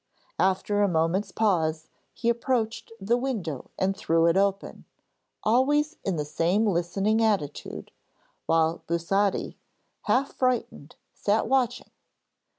After a moment's pause he approached the window and threw it open, always in the same listening attitude, while Busotti, half frightened, sat watching.